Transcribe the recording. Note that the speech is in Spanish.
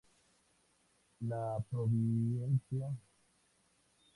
La provincia elige cinco diputados para el Congreso de los Diputados y cuatro senadores.